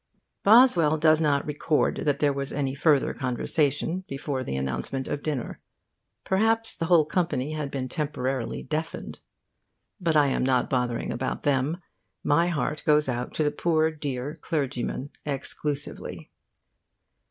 Boswell does not record that there was any further conversation before the announcement of dinner. Perhaps the whole company had been temporarily deafened. But I am not bothering about them. My heart goes out to the poor dear clergyman exclusively.